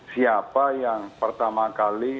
siapa yang pertama kali